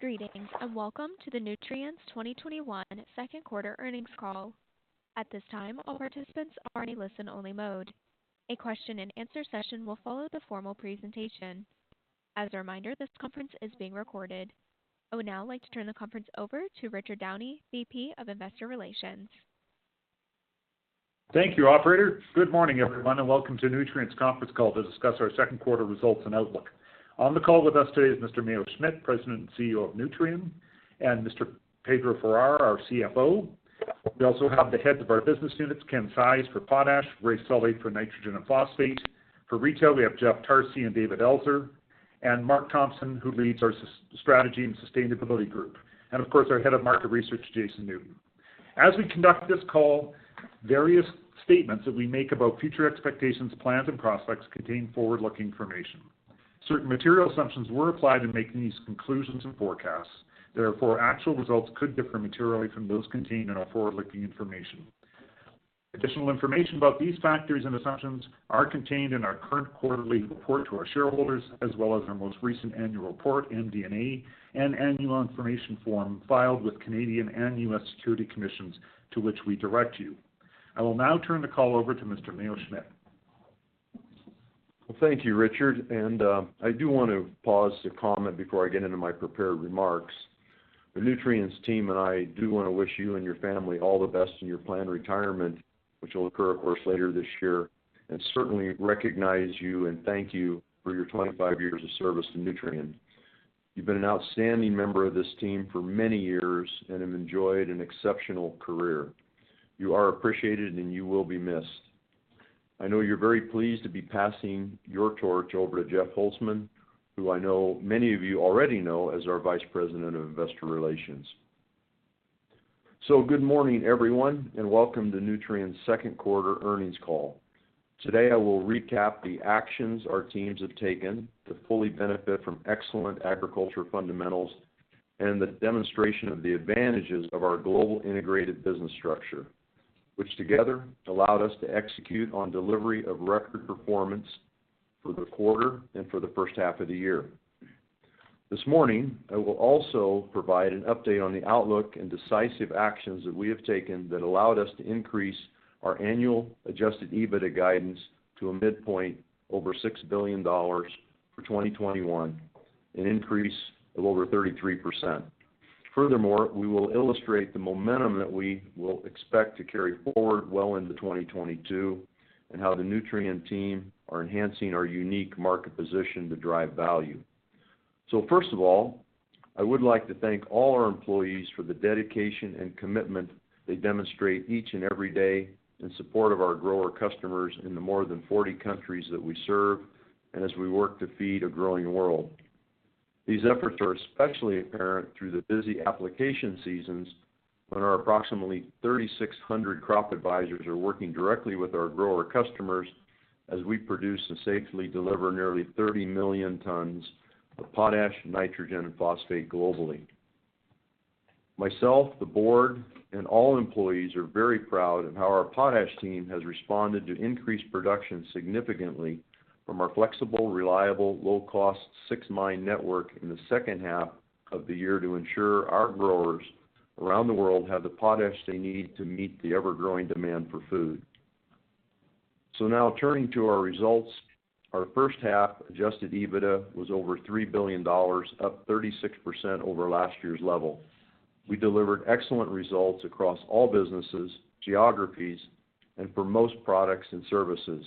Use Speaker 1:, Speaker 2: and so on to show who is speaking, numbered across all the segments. Speaker 1: Greetings, welcome to the Nutrien's 2021 second quarter earnings call. At this time, all participants are in a listen only mode. A question and answer session will follow the formal presentation. As a reminder, this conference is being recorded. I would now like to turn the conference over to Richard Downey, VP of Investor Relations.
Speaker 2: Thank you, operator. Good morning, everyone, welcome to Nutrien's conference call to discuss our second quarter results and outlook. On the call with us today is Mr. Mayo Schmidt, President and CEO of Nutrien, and Mr. Pedro Farah, our CFO. We also have the Heads of our Business Units, Ken Seitz for Potash, Raef Sully for Nitrogen and Phosphate. For retail, we have Jeff Tarsi and David Elser, Mark Thompson, who leads our strategy and sustainability group, and of course, our Head of Market Research, Jason Newton. As we conduct this call, various statements that we make about future expectations, plans and prospects contain forward-looking information. Certain material assumptions were applied in making these conclusions and forecasts. Therefore, actual results could differ materially from those contained in our forward-looking information. Additional information about these factors and assumptions are contained in our current quarterly report to our shareholders, as well as our most recent annual report, MD&A, and annual information form filed with Canadian and U.S. security commissions to which we direct you. I will now turn the call over to Mr. Mayo Schmidt.
Speaker 3: Well, thank you, Richard. I do want to pause to comment before I get into my prepared remarks. The Nutrien's team and I do wanna wish you and your family all the best in your planned retirement, which will occur, of course, later this year, and certainly recognize you and thank you for your 25 years of service to Nutrien. You've been an outstanding member of this team for many years and have enjoyed an exceptional career. You are appreciated, and you will be missed. I know you're very pleased to be passing your torch over to Jeff Holzman, who I know many of you already know as our Vice President of Investor Relations. Good morning, everyone, and welcome to Nutrien's second quarter earnings call. Today, I will recap the actions our teams have taken to fully benefit from excellent agriculture fundamentals and the demonstration of the advantages of our global integrated business structure, which together allowed us to execute on delivery of record performance for the quarter and for the first half of the year. This morning, I will also provide an update on the outlook and decisive actions that we have taken that allowed us to increase our annual adjusted EBITDA guidance to a midpoint over 6 billion dollars for 2021, an increase of over 33%. We will illustrate the momentum that we will expect to carry forward well into 2022 and how the Nutrien team are enhancing our unique market position to drive value. First of all, I would like to thank all our employees for the dedication and commitment they demonstrate each and every day in support of our grower customers in the more than 40 countries that we serve, and as we work to feed a growing world. These efforts are especially apparent through the busy application seasons when our approximately 3,600 crop advisors are working directly with our grower customers as we produce and safely deliver nearly 30 million tons of potash, nitrogen, and phosphate globally. Myself, the board, and all employees are very proud of how our potash team has responded to increased production significantly from our flexible, reliable, low-cost 6-mine network in the second half of the year to ensure our growers around the world have the potash they need to meet the ever-growing demand for food. Now turning to our results, our first half adjusted EBITDA was over 3 billion dollars, up 36% over last year's level. We delivered excellent results across all businesses, geographies, and for most products and services.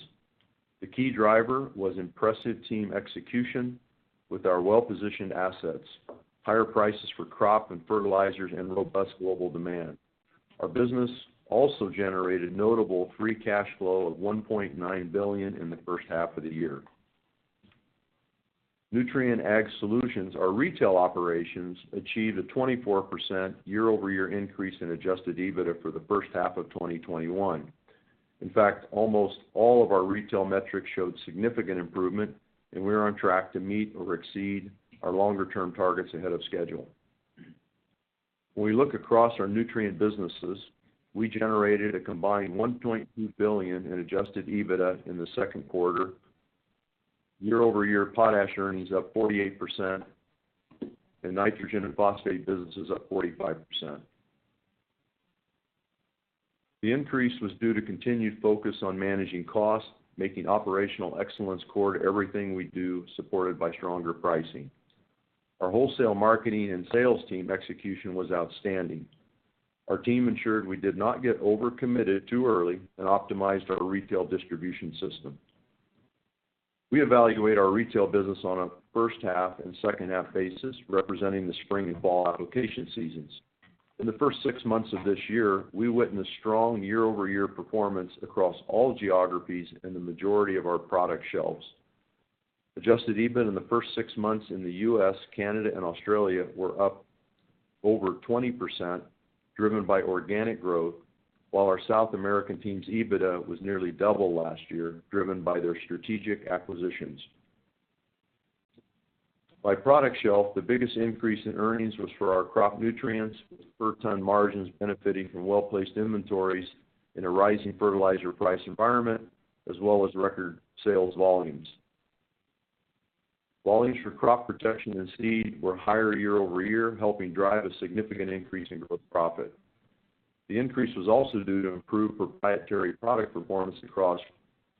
Speaker 3: The key driver was impressive team execution with our well-positioned assets, higher prices for crop and fertilizers, and robust global demand. Our business also generated notable free cash flow of 1.9 billion in the first half of the year. Nutrien Ag Solutions, our retail operations, achieved a 24% year-over-year increase in adjusted EBITDA for the first half of 2021. In fact, almost all of our retail metrics showed significant improvement, and we are on track to meet or exceed our longer-term targets ahead of schedule. When we look across our Nutrien businesses, we generated a combined 1.2 billion in adjusted EBITDA in the second quarter. Year-over-year, potash earnings up 48% and nitrogen and phosphate businesses up 45%. The increase was due to continued focus on managing costs, making operational excellence core to everything we do, supported by stronger pricing. Our wholesale marketing and sales team execution was outstanding. Our team ensured we did not get over-committed too early and optimized our retail distribution system. We evaluate our retail business on a first half and second half basis, representing the spring and fall application seasons. In the first six months of this year, we witnessed strong year-over-year performance across all geographies and the majority of our product shelves. Adjusted EBIT in the first six months in the U.S., Canada, and Australia were up over 20%, driven by organic growth, while our South American team's EBITDA was nearly double last year, driven by their strategic acquisitions. By product shelf, the biggest increase in earnings was for our crop nutrients, with per ton margins benefiting from well-placed inventories in a rising fertilizer price environment, as well as record sales volumes. Volumes for crop protection and seed were higher year-over-year, helping drive a significant increase in gross profit. The increase was also due to improved proprietary product performance across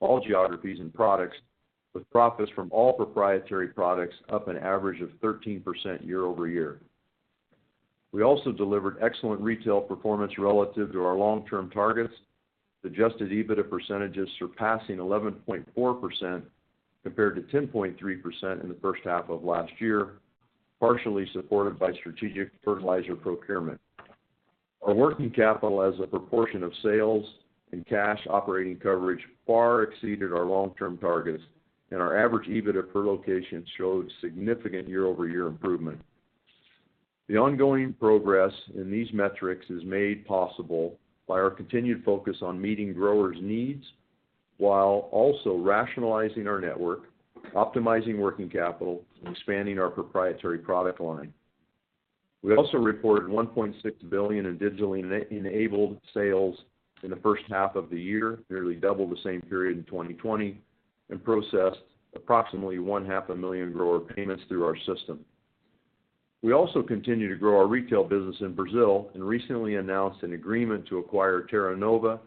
Speaker 3: all geographies and products, with profits from all proprietary products up an average of 13% year-over-year. We also delivered excellent retail performance relative to our long-term targets. Adjusted EBITDA percentages surpassing 11.4% compared to 10.3% in the first half of last year, partially supported by strategic fertilizer procurement. Our working capital as a proportion of sales and cash operating coverage far exceeded our long-term targets. Our average EBITDA per location showed significant year-over-year improvement. The ongoing progress in these metrics is made possible by our continued focus on meeting growers' needs while also rationalizing our network, optimizing working capital, and expanding our proprietary product line. We also reported 1.6 billion in digitally enabled sales in the first half of the year, nearly double the same period in 2020, and processed approximately one-half a million grower payments through our system. We also continue to grow our retail business in Brazil and recently announced an agreement to acquire Terra Nova,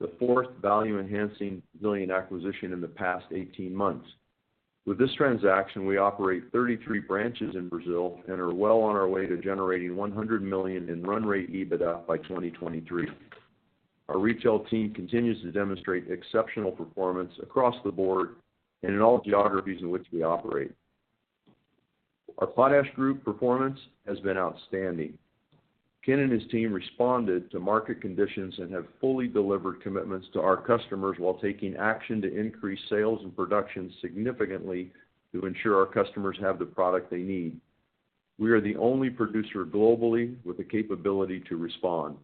Speaker 3: the fourth value-enhancing billion acquisition in the past 18 months. With this transaction, we operate 33 branches in Brazil and are well on our way to generating 100 million in run rate EBITDA by 2023. Our retail team continues to demonstrate exceptional performance across the board and in all geographies in which we operate. Our Potash group performance has been outstanding. Ken and his team responded to market conditions and have fully delivered commitments to our customers while taking action to increase sales and production significantly to ensure our customers have the product they need. We are the only producer globally with the capability to respond.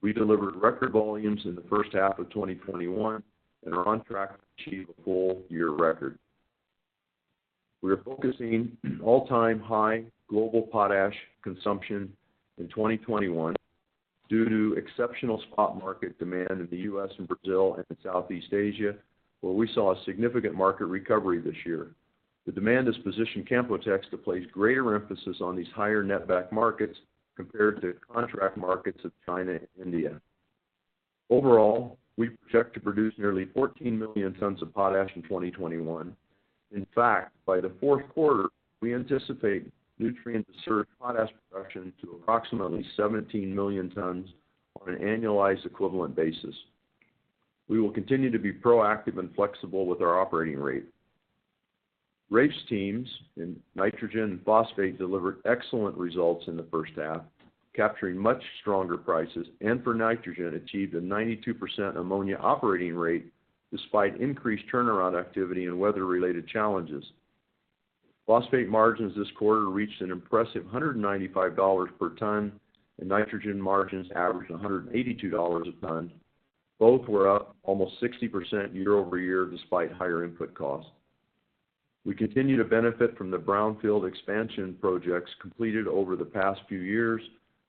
Speaker 3: We delivered record volumes in the first half of 2021 and are on track to achieve a full-year record. We are forecasting all-time high global potash consumption in 2021 due to exceptional spot market demand in the U.S. and Brazil and Southeast Asia, where we saw a significant market recovery this year. The demand has positioned Canpotex to place greater emphasis on these higher net back markets compared to contract markets of China and India. Overall, we project to produce nearly 14 million tons of potash in 2021. In fact, by the fourth quarter, we anticipate Nutrien potash production to approximately 17 million tons on an annualized equivalent basis. We will continue to be proactive and flexible with our operating rate. Raef's teams in nitrogen and phosphate delivered excellent results in the first half, capturing much stronger prices, and for nitrogen achieved a 92% ammonia operating rate despite increased turnaround activity and weather-related challenges. Phosphate margins this quarter reached an impressive 195 dollars per ton, and nitrogen margins averaged 182 dollars a ton. Both were up almost 60% year-over-year despite higher input costs. We continue to benefit from the brownfield expansion projects completed over the past few years,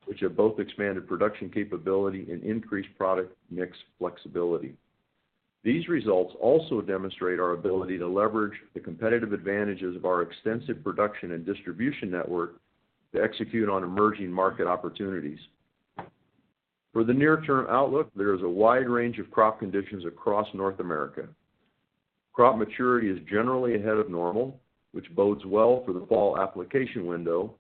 Speaker 3: which have both expanded production capability and increased product mix flexibility. These results also demonstrate our ability to leverage the competitive advantages of our extensive production and distribution network to execute on emerging market opportunities. For the near-term outlook, there is a wide range of crop conditions across North America. Crop maturity is generally ahead of normal, which bodes well for the fall application window.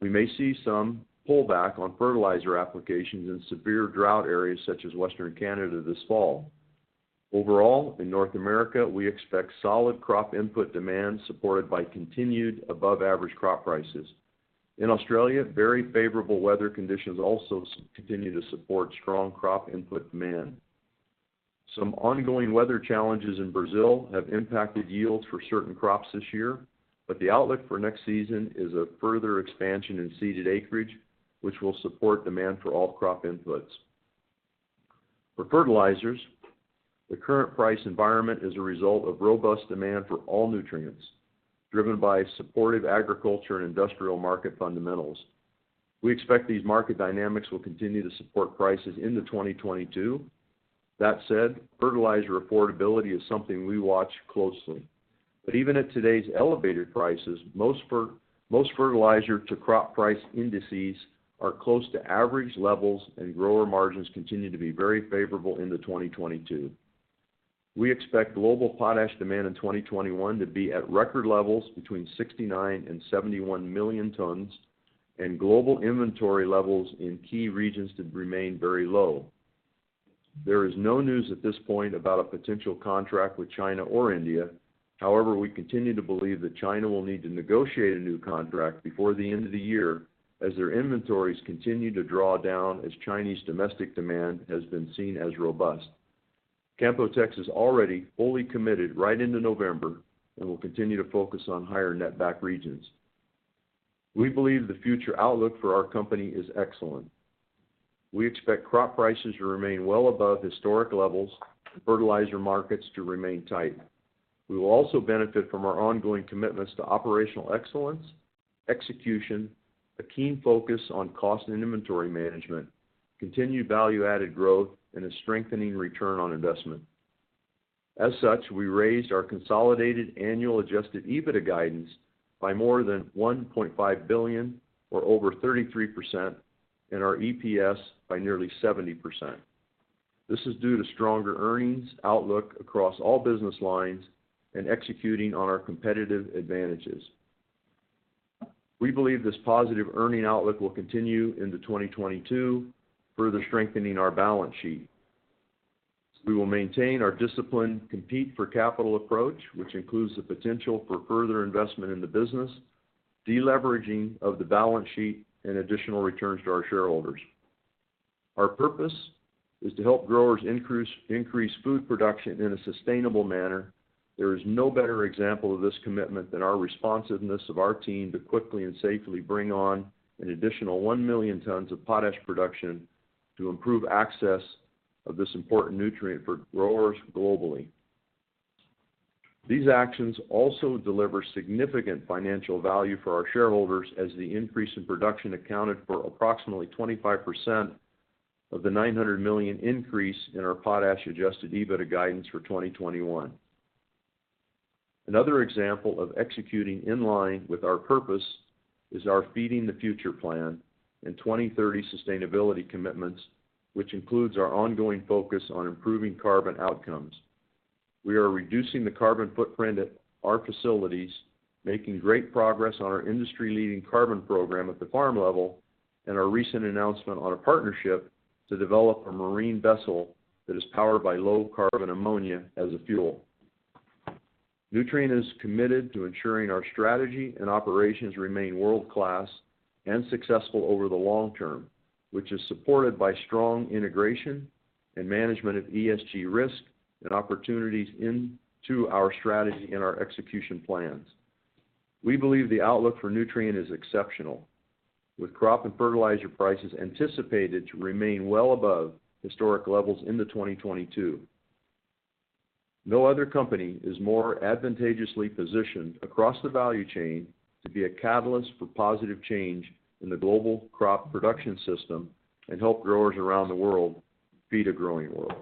Speaker 3: We may see some pullback on fertilizer applications in severe drought areas such as Western Canada this fall. Overall, in North America, we expect solid crop input demand supported by continued above-average crop prices. In Australia, very favorable weather conditions also continue to support strong crop input demand. Some ongoing weather challenges in Brazil have impacted yields for certain crops this year, but the outlook for next season is a further expansion in seeded acreage, which will support demand for all crop inputs. For fertilizers, the current price environment is a result of robust demand for all nutrients driven by supportive agriculture and industrial market fundamentals. We expect these market dynamics will continue to support prices into 2022. That said, fertilizer affordability is something we watch closely. Even at today's elevated prices, most fertilizer to crop price indices are close to average levels and grower margins continue to be very favorable into 2022. We expect global potash demand in 2021 to be at record levels between 69 million-71 million tons and global inventory levels in key regions to remain very low. There is no news at this point about a potential contract with China or India. We continue to believe that China will need to negotiate a new contract before the end of the year as their inventories continue to draw down as Chinese domestic demand has been seen as robust. Canpotex is already fully committed right into November and will continue to focus on higher net back regions. We believe the future outlook for our company is excellent. We expect crop prices to remain well above historic levels and fertilizer markets to remain tight. We will also benefit from our ongoing commitments to operational excellence, execution, a keen focus on cost and inventory management, continued value-added growth, and a strengthening return on investment. As such, we raised our consolidated annual adjusted EBITDA guidance by more than 1.5 billion or over 33% and our EPS by nearly 70%. This is due to stronger earnings outlook across all business lines and executing on our competitive advantages. We believe this positive earning outlook will continue into 2022, further strengthening our balance sheet. We will maintain our discipline compete for capital approach, which includes the potential for further investment in the business, deleveraging of the balance sheet, and additional returns to our shareholders. Our purpose is to help growers increase food production in a sustainable manner. There is no better example of this commitment than our responsiveness of our team to quickly and safely bring on an additional 1 million tons of potash production to improve access of this important nutrient for growers globally. These actions also deliver significant financial value for our shareholders as the increase in production accounted for approximately 25% of the 900 million increase in our potash adjusted EBITDA guidance for 2021. Another example of executing in line with our purpose is our Feeding the Future plan and 2030 sustainability commitments, which includes our ongoing focus on improving carbon outcomes. We are reducing the carbon footprint at our facilities, making great progress on our industry-leading carbon program at the farm level, and our recent announcement on a partnership to develop a marine vessel that is powered by low carbon ammonia as a fuel. Nutrien is committed to ensuring our strategy and operations remain world-class and successful over the long term, which is supported by strong integration and management of ESG risk and opportunities into our strategy and our execution plans. We believe the outlook for Nutrien is exceptional, with crop and fertilizer prices anticipated to remain well above historic levels into 2022. No other company is more advantageously positioned across the value chain to be a catalyst for positive change in the global crop production system and help growers around the world feed a growing world.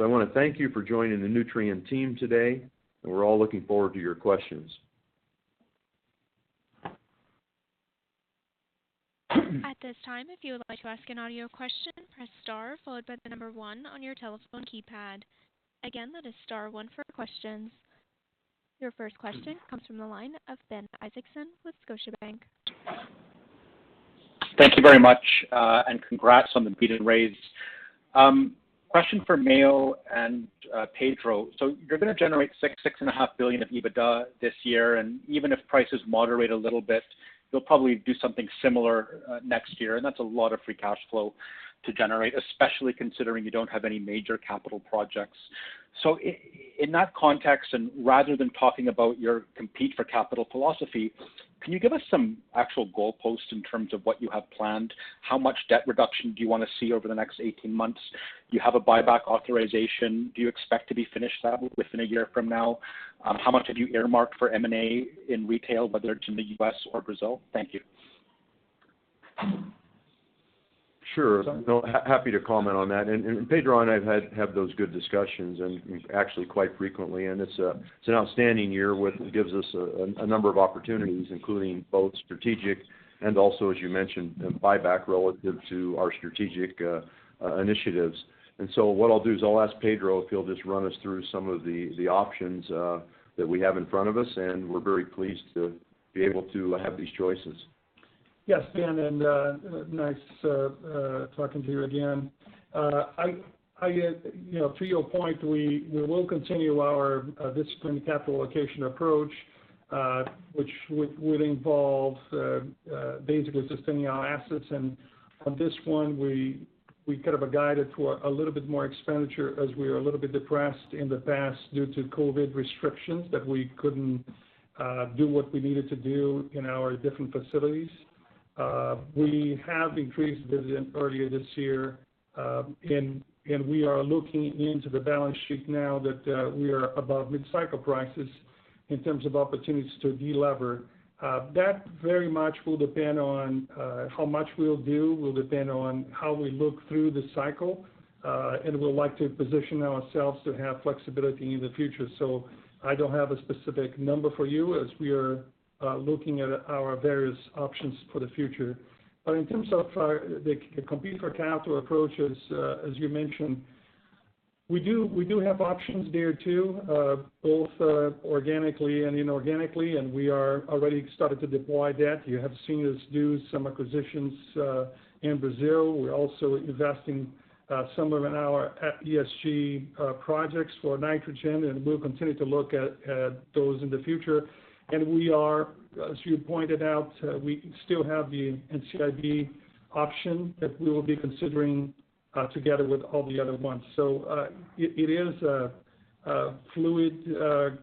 Speaker 3: I wanna thank you for joining the Nutrien team today, and we're all looking forward to your questions.
Speaker 1: At this time, if you want to ask a question, press star followed by one on your telephone keypad. Again, press star one for question. Your first question comes from the line of Ben Isaacson with Scotiabank.
Speaker 4: Thank you very much, and congrats on the beat and raise. Question for Mayo and Pedro. You're gonna generate 6 billion-6.5 billion of EBITDA this year, and even if prices moderate a little bit, you'll probably do something similar next year. That's a lot of free cash flow to generate, especially considering you don't have any major capital projects. In that context, rather than talking about your compete for capital philosophy, can you give us some actual goalposts in terms of what you have planned? How much debt reduction do you wanna see over the next 18 months? You have a buyback authorization. Do you expect to be finished that within one year from now? How much have you earmarked for M&A in retail, whether it's in the U.S. or Brazil? Thank you.
Speaker 3: Sure. No, happy to comment on that. Pedro and I have had those good discussions and actually quite frequently. It's an outstanding year gives us a number of opportunities, including both strategic and also, as you mentioned, buyback relative to our strategic initiatives. What I'll do is I'll ask Pedro if he'll just run us through some of the options that we have in front of us, and we're very pleased to be able to have these choices.
Speaker 5: Yes, Ben, nice talking to you again. You know, to your point, we will continue our disciplined capital allocation approach, which would involve basically sustaining our assets. On this one, we kind of guided to a little bit more expenditure as we were a little bit depressed in the past due to COVID restrictions that we couldn't do what we needed to do in our different facilities. We have increased dividend earlier this year, and we are looking into the balance sheet now that we are above mid-cycle prices in terms of opportunities to de-lever. That very much will depend on how much we'll do, will depend on how we look through the cycle, and we'd like to position ourselves to have flexibility in the future. I don't have a specific number for you as we are looking at our various options for the future. In terms of the compete for capital approach, as you mentioned, we do have options there too, both organically and inorganically, and we are already started to deploy that. You have seen us do some acquisitions in Brazil. We're also investing some of our ESG projects for nitrogen, and we'll continue to look at those in the future. We are, as you pointed out, we still have the NCIB option that we will be considering together with all the other ones. It is a fluid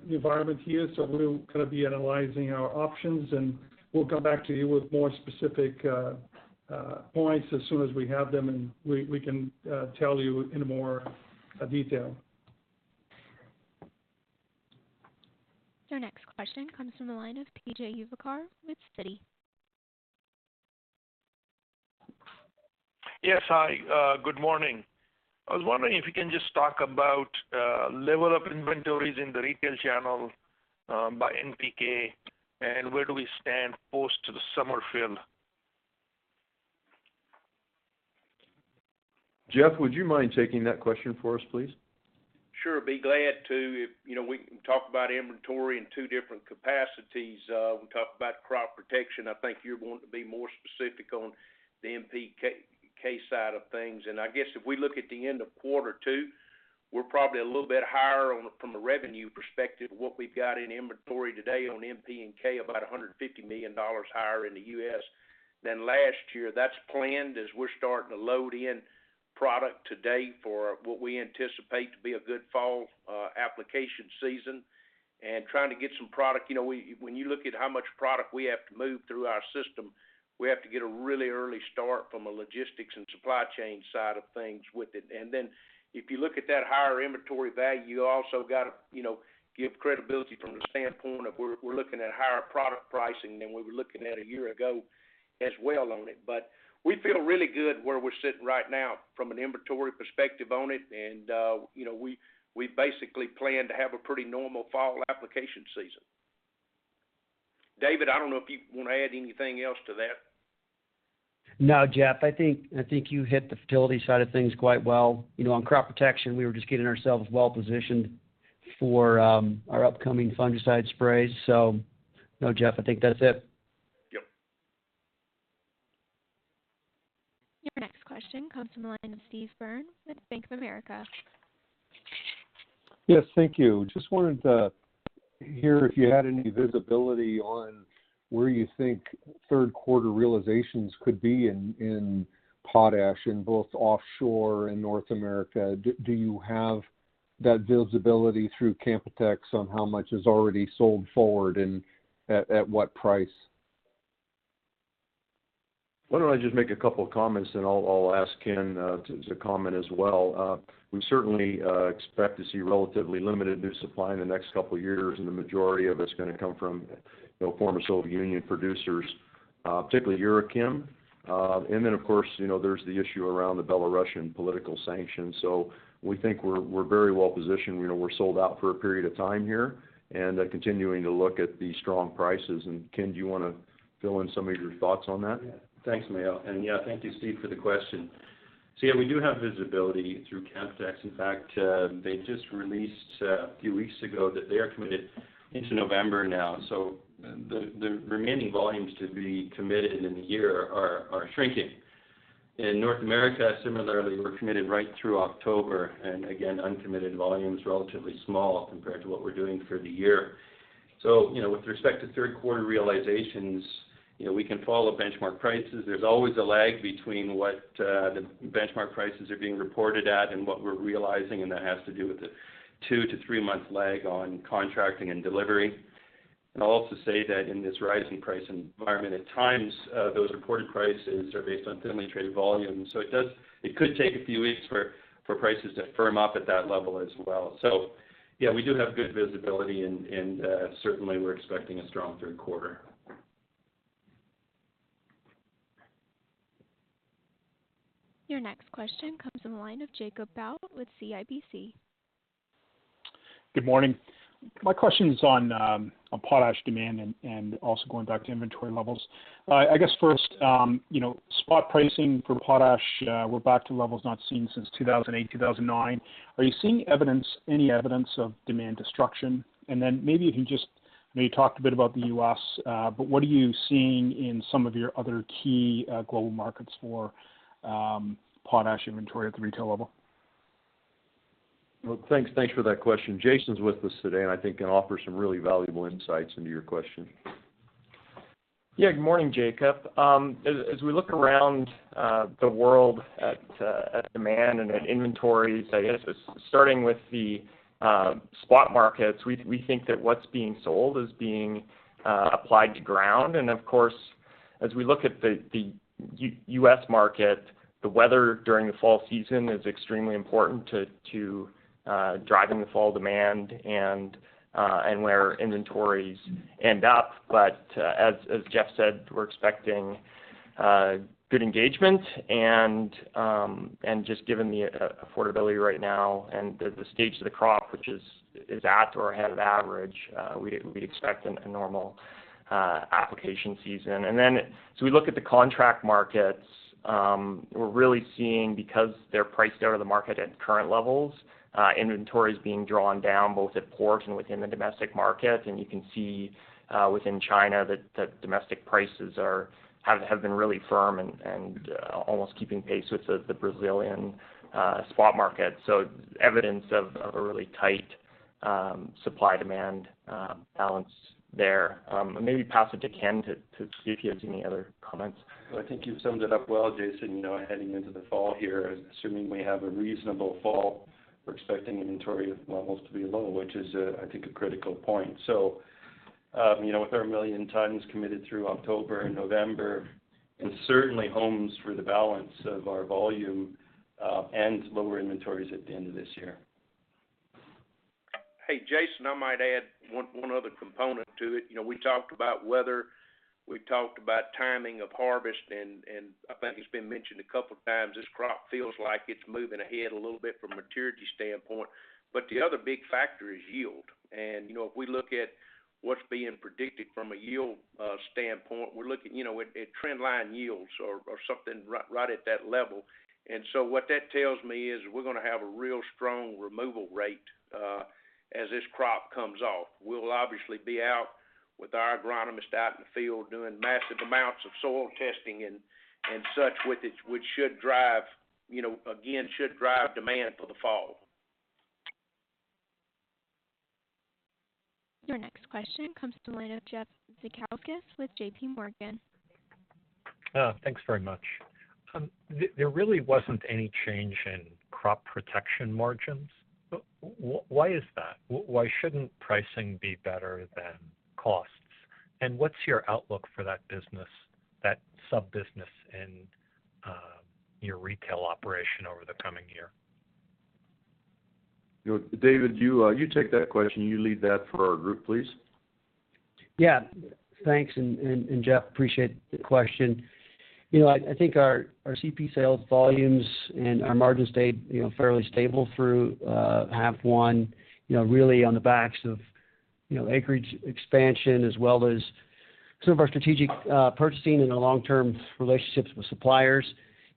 Speaker 5: environment here, so we'll kind of be analyzing our options, and we'll come back to you with more specific points as soon as we have them, and we can tell you in more detail.
Speaker 1: Your next question comes from the line of PJ Juvekar with Citi.
Speaker 6: Yes. Hi, good morning. I was wondering if you can just talk about level of inventories in the retail channel by NPK, and where do we stand post to the summer fill?
Speaker 3: Jeff, would you mind taking that question for us, please?
Speaker 7: Sure. Be glad to. You know, we can talk about inventory in two different capacities. We talk about crop protection. I think you're wanting to be more specific on the NPK side of things. I guess if we look at the end of quarter two, we're probably a little bit higher from a revenue perspective, what we've got in inventory today on NPK, about $150 million higher in the U.S. than last year. That's planned as we're starting to load in product today for what we anticipate to be a good fall application season and trying to get some product. You know, when you look at how much product we have to move through our system, we have to get a really early start from a logistics and supply chain side of things with it. If you look at that higher inventory value, you also gotta, you know, give credibility from the standpoint of we're looking at higher product pricing than we were looking at a year ago as well on it. We feel really good where we're sitting right now from an inventory perspective on it. You know, we basically plan to have a pretty normal fall application season. David, I don't know if you wanna add anything else to that.
Speaker 8: No, Jeff, I think you hit the fertility side of things quite well. You know, on crop protection, we were just getting ourselves well-positioned for our upcoming fungicide sprays. No, Jeff, I think that's it.
Speaker 7: Yep.
Speaker 1: Your next question comes from the line of Steve Byrne with Bank of America.
Speaker 9: Yes. Thank you. Just wanted to hear if you had any visibility on where you think third quarter realizations could be in potash in both offshore and North America. Do you have that visibility through Canpotex on how much is already sold forward and at what price?
Speaker 3: Why don't I just make a couple of comments, then I'll ask Ken to comment as well. We certainly expect to see relatively limited new supply in the next couple of years, and the majority of it's gonna come from, you know, former Soviet Union producers, particularly Uralkali. Then of course, you know, there's the issue around the Belarusian political sanctions. We think we're very well-positioned. You know, we're sold out for a period of time here and continuing to look at the strong prices. Ken, do you wanna fill in some of your thoughts on that?
Speaker 10: Yeah. Thanks, Mayo. Yeah, thank you, Steve, for the question. Yeah, we do have visibility through Canpotex. In fact, they just released a few weeks ago that they are committed into November now. The remaining volumes to be committed in the year are shrinking. In North America, similarly, we're committed right through October, and again, uncommitted volume is relatively small compared to what we're doing for the year. You know, with respect to third quarter realizations, you know, we can follow benchmark prices. There's always a lag between what the benchmark prices are being reported at and what we're realizing, and that has to do with the two to three-month lag on contracting and delivery. I'll also say that in this rising price environment, at times, those reported prices are based on thinly traded volumes. It could take a few weeks for prices to firm up at that level as well. Yeah, we do have good visibility and, certainly we're expecting a strong third quarter.
Speaker 1: Your next question comes from the line of Jacob Bout with CIBC.
Speaker 11: Good morning. My question is on potash demand and also going back to inventory levels. I guess first, you know, spot pricing for potash, we're back to levels not seen since 2008, 2009. Are you seeing evidence, any evidence of demand destruction? Then maybe I know you talked a bit about the U.S., but what are you seeing in some of your other key global markets for potash inventory at the retail level?
Speaker 3: Well, Thanks. Thanks for that question. Jason's with us today, and I think can offer some really valuable insights into your question.
Speaker 12: Yeah. Good morning, Jacob. As we look around the world at demand and at inventories, I guess it's starting with the spot markets. We think that what's being sold is being applied to ground. Of course, as we look at the U.S. market, the weather during the fall season is extremely important to driving the fall demand and where inventories end up. As Jeff said, we're expecting good engagement and just given the affordability right now and the stage of the crop, which is at or ahead of average, we expect a normal application season. Then as we look at the contract markets, we're really seeing because they're priced out of the market at current levels, inventories being drawn down both at ports and within the domestic market. You can see, within China that domestic prices have been really firm and almost keeping pace with the Brazilian spot market. Evidence of a really tight, supply-demand, balance there. Maybe pass it to Ken to see if he has any other comments.
Speaker 10: I think you've summed it up well, Jason. You know, heading into the fall here, assuming we have a reasonable fall, we're expecting inventory levels to be low, which is, I think a critical point. You know, with our 1 million tons committed through October and November, and certainly homes for the balance of our volume, and lower inventories at the end of this year.
Speaker 7: Hey, Jason, I might add one other component to it. You know, we talked about weather, we talked about timing of harvest, and I think it's been mentioned couple times, this crop feels like it's moving ahead a little bit from a maturity standpoint. The other big factor is yield. You know, if we look at what's being predicted from a yield standpoint, we're looking, you know, at trend line yields or something right at that level. What that tells me is we're gonna have a real strong removal rate as this crop comes off. We'll obviously be out with our agronomists out in the field doing massive amounts of soil testing and such with it, which should drive, you know, again, should drive demand for the fall.
Speaker 1: Your next question comes from the line of Jeffrey Zekauskas with JPMorgan.
Speaker 13: Thanks very much. There really wasn't any change in Crop Protection margins. Why is that? Why shouldn't pricing be better than costs? What's your outlook for that business, that sub-business in your retail operation over the coming year?
Speaker 3: You know, David, you take that question. You lead that for our group, please.
Speaker 8: Yeah. Thanks. Jeff, appreciate the question. You know, I think our CP sales volumes and our margins stayed, you know, fairly stable through half one, you know, really on the backs of, you know, acreage expansion as well as some of our strategic purchasing and our long-term relationships with suppliers.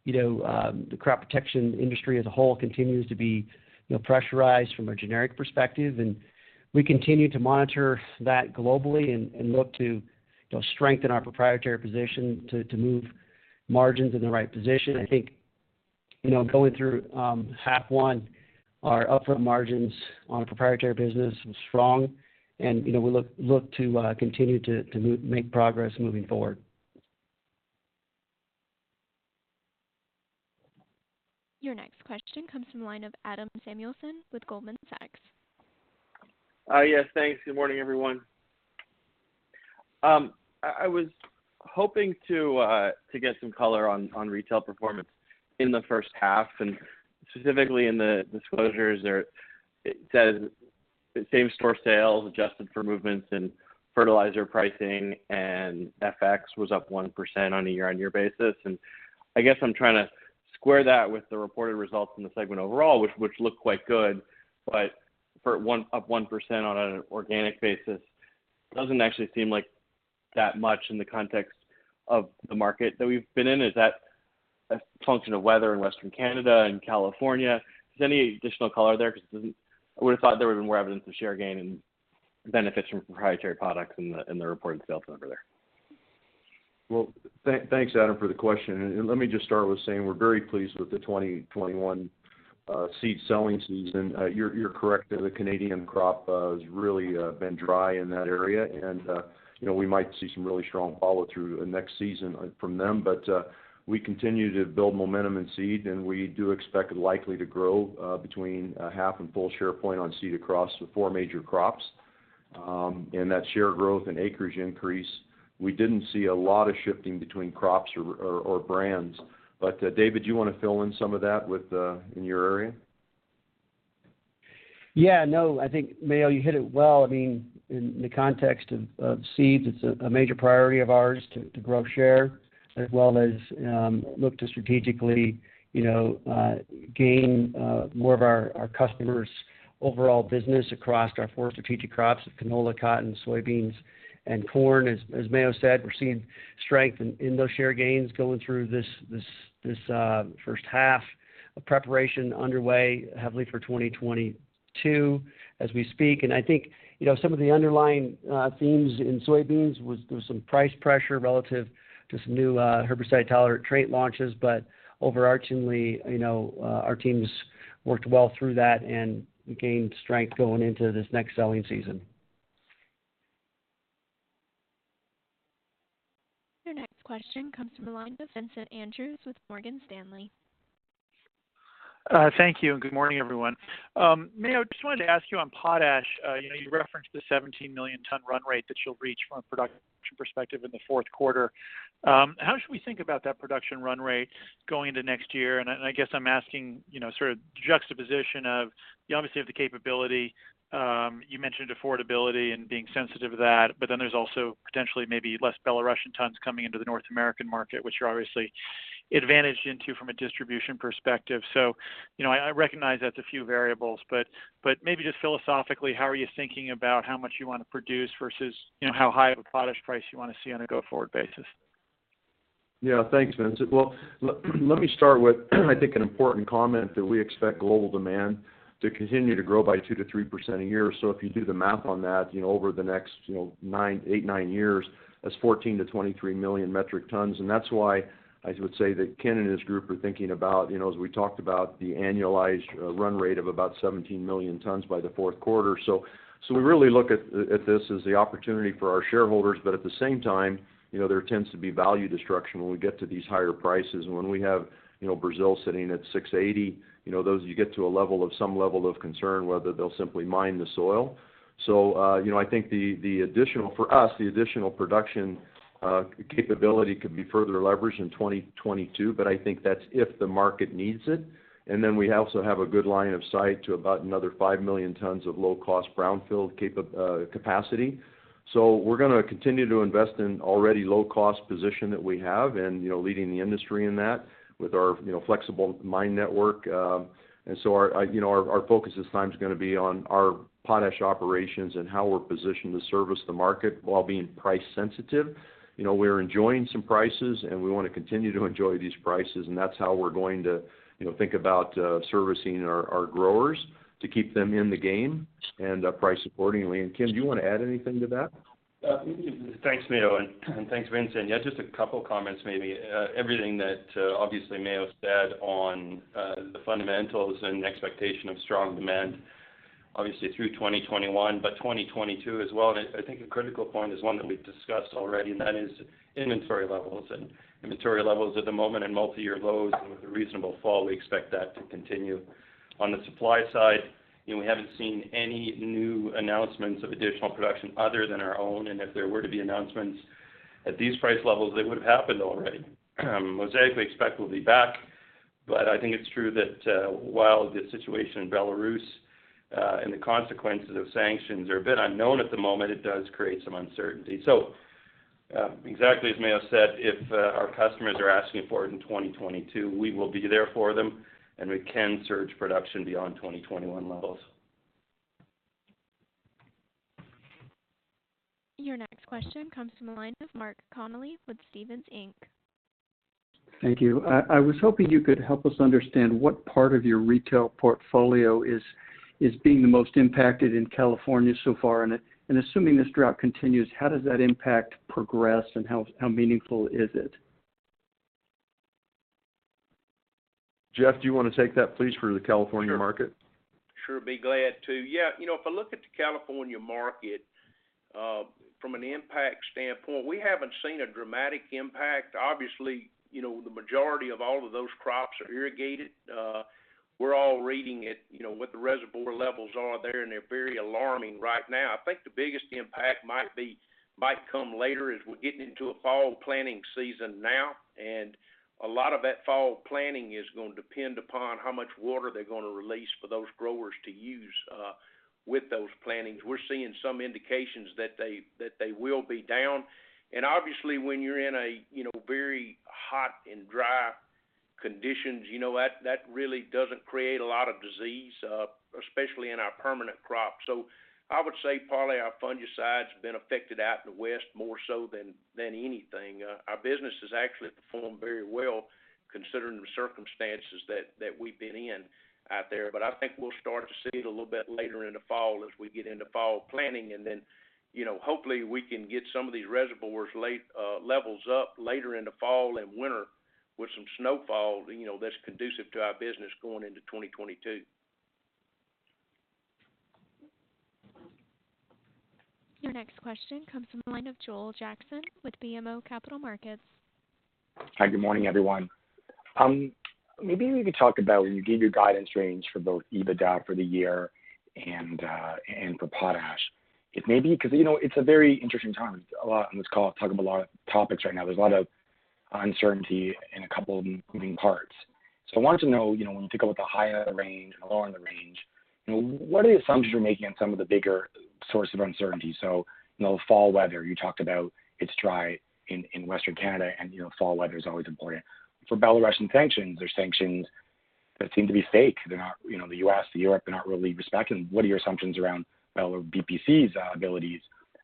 Speaker 8: You know, the crop protection industry as a whole continues to be, you know, pressurized from a generic perspective, and we continue to monitor that globally and look to, you know, strengthen our proprietary position to make progress moving forward. I think, you know, going through half one, our upfront margins on our proprietary business was strong and, you know, we look to continue to make progress moving forward.
Speaker 1: Your next question comes from the line of Adam Samuelson with Goldman Sachs.
Speaker 14: Yes. Thanks. Good morning, everyone. I was hoping to get some color on retail performance in the first half. Specifically in the disclosures there, it says that same store sales adjusted for movements in fertilizer pricing and FX was up 1% on a year-over-year basis. I guess I'm trying to square that with the reported results in the segment overall, which look quite good. Up 1% on an organic basis doesn't actually seem like that much in the context of the market that we've been in. Is that a function of weather in Western Canada and California? Is there any additional color there? Because I would have thought there would have been more evidence of share gain and benefits from proprietary products in the reported sales number there.
Speaker 3: Thanks, Adam, for the question. Let me just start with saying we're very pleased with the 2021 seed sowing season. You're correct that the Canadian crop has really been dry in that area. You know, we might see some really strong follow-through next season from them. We continue to build momentum in seed, and we do expect it likely to grow between a half and full share point on seed across the four major crops. That share growth and acreage increase, we didn't see a lot of shifting between crops or brands. David, do you wanna fill in some of that in your area?
Speaker 8: Yeah. No, I think Mayo, you hit it well. I mean, in the context of seeds, it's a major priority of ours to grow share as well as, look to strategically, you know, gain more of our customers' overall business across our four strategic crops of canola, cotton, soybeans, and corn. As Mayo said, we're seeing strength in those share gains going through this first half. A preparation underway heavily for 2022 as we speak. I think, you know, some of the underlying themes in soybeans was there was some price pressure relative to some new herbicide-tolerant trait launches. Overarchingly, you know, our teams worked well through that, and we gained strength going into this next sowing season.
Speaker 1: Your next question comes from the line of Vincent Andrews with Morgan Stanley.
Speaker 15: Thank you, and good morning, everyone. Mayo, just wanted to ask you on potash, you know, you referenced the 17 million ton run rate that you'll reach from a production perspective in the fourth quarter. How should we think about that production run rate going into next year? I guess I'm asking, you know, sort of juxtaposition of you obviously have the capability, you mentioned affordability and being sensitive to that, but then there's also potentially maybe less Belarusian tons coming into the North American market, which you're obviously advantaged into from a distribution perspective. You know, I recognize that's a few variables, but maybe just philosophically, how are you thinking about how much you want to produce versus, you know, how high of a potash price you want to see on a go-forward basis?
Speaker 3: Thanks, Vincent. Let me start with, I think, an important comment that we expect global demand to continue to grow by 2%-3% a year. If you do the math on that, you know, over the next, you know, 8-9 years, that's 14 million to 23 million metric tons. That's why I would say that Ken and his group are thinking about, you know, as we talked about the annualized run rate of about 17 million tons by the fourth quarter. We really look at this as the opportunity for our shareholders, but at the same time, you know, there tends to be value destruction when we get to these higher prices. When we have, you know, Brazil sitting at $680, those get to a level of concern, whether they'll simply mine the soil. You know, I think for us, the additional production capability could be further leveraged in 2022, but I think that's if the market needs it. We also have a good line of sight to about another 5 million tons of low cost brownfield capacity. We're gonna continue to invest in already low cost position that we have and, you know, leading the industry in that with our, you know, flexible mine network. Our, you know, our focus this time is gonna be on our potash operations and how we're positioned to service the market while being price sensitive. You know, we're enjoying some prices, we wanna continue to enjoy these prices, and that's how we're going to, you know, think about servicing our growers to keep them in the game and price accordingly. Ken, do you wanna add anything to that?
Speaker 10: Thanks, Mayo, and thanks, Vincent. Yeah, just a couple of comments maybe. Everything that, obviously Mayo said on the fundamentals and expectation of strong demand, obviously through 2021, but 2022 as well. I think a critical point is one that we've discussed already, and that is inventory levels. Inventory levels at the moment in multi-year lows and with a reasonable fall, we expect that to continue. On the supply side, you know, we haven't seen any new announcements of additional production other than our own. If there were to be announcements at these price levels, they would have happened already. Mosaic, we expect will be back. I think it's true that, while the situation in Belarus, and the consequences of sanctions are a bit unknown at the moment, it does create some uncertainty. Exactly as Mayo said, if, our customers are asking for it in 2022, we will be there for them, and we can surge production beyond 2021 levels.
Speaker 1: Your next question comes from the line of Mark Connelly with Stephens Inc.
Speaker 16: Thank you. I was hoping you could help us understand what part of your retail portfolio is being the most impacted in California so far. Assuming this drought continues, how does that impact progress and how meaningful is it?
Speaker 3: Jeff, do you wanna take that, please, for the California market?
Speaker 7: Sure. Be glad to. Yeah. You know, if I look at the California market, from an impact standpoint, we haven't seen a dramatic impact. Obviously, you know, the majority of all of those crops are irrigated. We're all reading it, you know, what the reservoir levels are there, and they're very alarming right now. I think the biggest impact might come later as we're getting into a fall planting season now. A lot of that fall planting is gonna depend upon how much water they're gonna release for those growers to use with those plantings. We're seeing some indications that they, that they will be down. Obviously, when you're in a, you know, very hot and dry conditions, you know, that really doesn't create a lot of disease, especially in our permanent crops. I would say probably our fungicides have been affected out in the West more so than anything. Our business has actually performed very well considering the circumstances that we've been in out there. I think we'll start to see it a little bit later in the fall as we get into fall planting. You know, hopefully we can get some of these reservoirs levels up later in the fall and winter with some snowfall, you know, that's conducive to our business going into 2022.
Speaker 1: Your next question comes from the line of Joel Jackson with BMO Capital Markets.
Speaker 17: Hi, good morning, everyone. Maybe we could talk about when you gave your guidance range for both EBITDA for the year and for potash. It may be because, you know, it's a very interesting time. Let's call it, talk about a lot of topics right now. There's a lot of uncertainty in a couple of moving parts. I wanted to know, you know, when you think about the higher range and the lower end of the range, you know, what are the assumptions you're making on some of the bigger source of uncertainty? You know, fall weather, you talked about it's dry in Western Canada, and, you know, fall weather is always important. Belarusian sanctions, there's sanctions that seem to be fake. They're not, you know, the U.S., the Europe, they're not really respecting. What are your assumptions around Belarus BPC's abilities?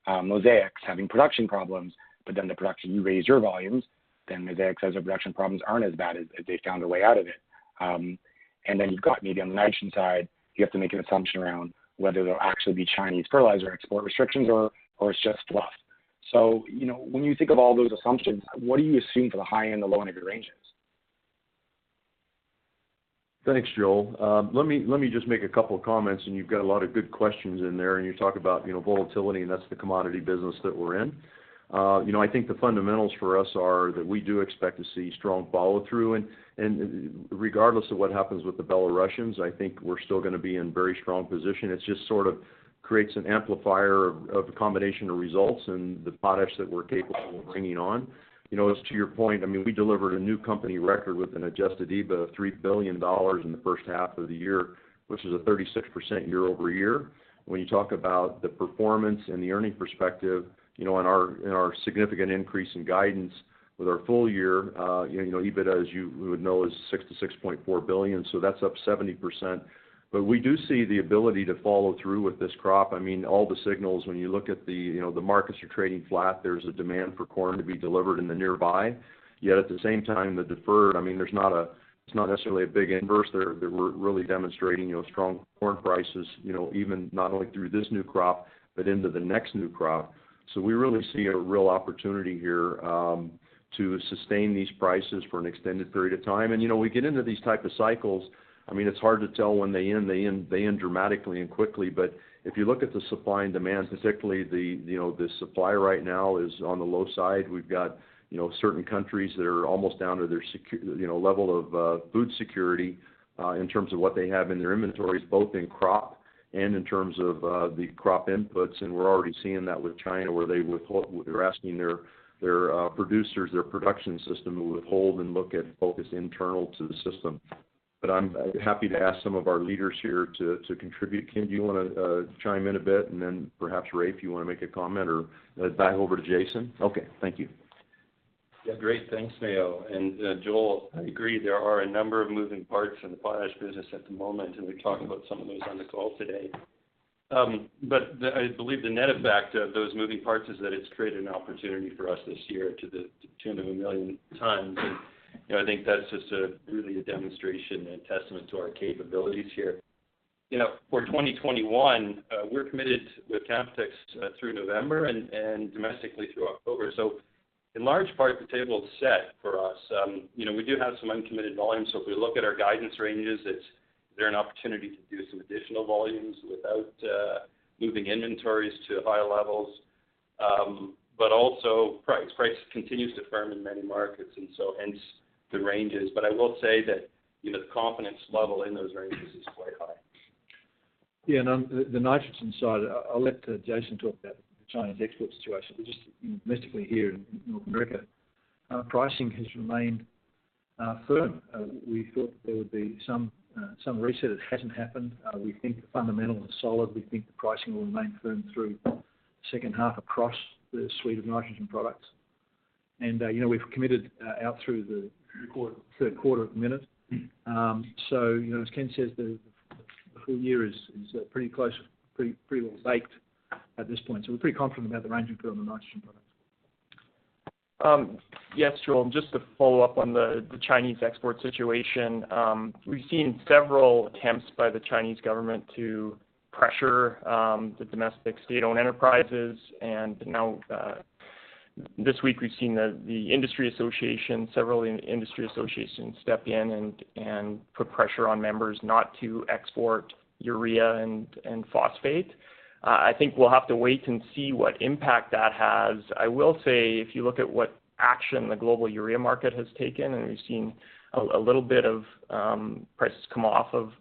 Speaker 17: Mosaic's having production problems, but then the production, you raise your volumes, then Mosaic says their production problems aren't as bad as they found a way out of it. You've got maybe on the nitrogen side, you have to make an assumption around whether there'll actually be Chinese fertilizer export restrictions or it's just fluff. You know, when you think of all those assumptions, what do you assume for the high and the low end of your ranges?
Speaker 3: Thanks, Joel. Let me just make a couple of comments, you've got a lot of good questions in there. You talk about, you know, volatility, and that's the commodity business that we're in. You know, I think the fundamentals for us are that we do expect to see strong follow-through. Regardless of what happens with the Belarusians, I think we're still gonna be in very strong position. It just sort of creates an amplifier of a combination of results and the potash that we're capable of bringing on. You know, as to your point, I mean, we delivered a new company record with an adjusted EBITDA of 3 billion dollars in the first half of the year, which is a 36% year-over-year. When you talk about the performance and the earning perspective, you know, and our, and our significant increase in guidance. With our full year, you know, EBITDA, as you would know, is 6 billion-6.4 billion, so that's up 70%. We do see the ability to follow through with this crop. I mean, all the signals, when you look at the, you know, the markets are trading flat. There's a demand for corn to be delivered in the nearby. At the same time, the deferred, I mean, there's not a, it's not necessarily a big inverse there that we're really demonstrating, you know, strong corn prices, you know, even not only through this new crop, but into the next new crop. We really see a real opportunity here to sustain these prices for an extended period of time. You know, we get into these type of cycles. I mean, it's hard to tell when they end. They end, they end dramatically and quickly. If you look at the supply and demand, particularly the, you know, the supply right now is on the low side. We've got, you know, certain countries that are almost down to their you know, level of food security in terms of what they have in their inventories, both in crop and in terms of the crop inputs. We're already seeing that with China, where they're asking their producers, their production system to withhold and look at focus internal to the system. I'm happy to ask some of our leaders here to contribute. Ken, do you wanna chime in a bit? Perhaps, Raef, if you want to make a comment or back over to Jason? Okay, thank you.
Speaker 10: Great. Thanks, Mayo. Joel, I agree there are a number of moving parts in the potash business at the moment, and we've talked about some of those on the call today. I believe the net effect of those moving parts is that it's created an opportunity for us this year to the tune of 1 million tons. You know, I think that's just a really a demonstration and testament to our capabilities here. You know, for 2021, we're committed with Canpotex through November and domestically through October. In large part, the table's set for us. You know, we do have some uncommitted volume, so if we look at our guidance ranges, it's there an opportunity to do some additional volumes without moving inventories to higher levels. Also price. Price continues to firm in many markets. Hence the ranges. I will say that, you know, the confidence level in those ranges is quite high.
Speaker 18: Yeah, on the nitrogen side, I'll let Jason talk about China's export situation. Just domestically here in North America, pricing has remained firm. We thought that there would be some reset. It hasn't happened. We think the fundamentals are solid. We think the pricing will remain firm through second half across the suite of nitrogen products. You know, we've committed out through the quarter, third quarter at the minute. You know, as Ken says, the full year is pretty close, pretty well baked at this point. We're pretty confident about the range we've got on the nitrogen products.
Speaker 12: Yes, Joel, just to follow up on the Chinese export situation. We've seen several attempts by the Chinese government to pressure the domestic state-owned enterprises. Now, this week we've seen the industry association, several industry associations step in and put pressure on members not to export urea and phosphate. I think we'll have to wait and see what impact that has. I will say, if you look at what action the global urea market has taken, and we've seen a little bit of prices come off of